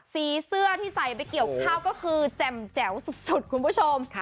สีเสื้อที่ใส่ไปเกี่ยวข้าวก็คือแจ่มแจ๋วสุดคุณผู้ชม